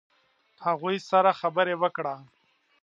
هغوی سره خبرې وکړه.